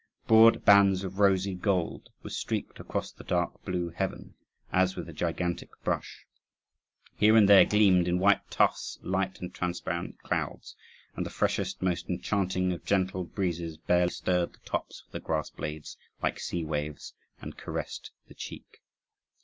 Broad bands of rosy gold were streaked across the dark blue heaven, as with a gigantic brush; here and there gleamed, in white tufts, light and transparent clouds: and the freshest, most enchanting of gentle breezes barely stirred the tops of the grass blades, like sea waves, and caressed the cheek.